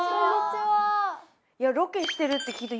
ロケしてるって聞いて。